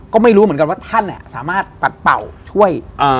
ก็ไม่รู้เหมือนกันว่าท่านสามารถปัดเป่าช่วย